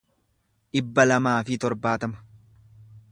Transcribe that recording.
dhibba lamaa fi torbaatama